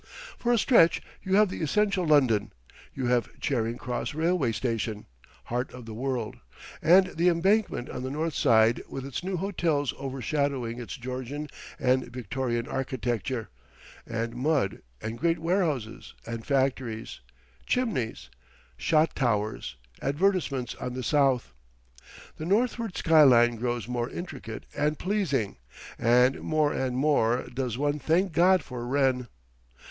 For a stretch you have the essential London; you have Charing Cross railway station, heart of the world, and the Embankment on the north side with its new hotels overshadowing its Georgian and Victorian architecture, and mud and great warehouses and factories, chimneys, shot towers, advertisements on the south. The northward skyline grows more intricate and pleasing, and more and more does one thank God for Wren.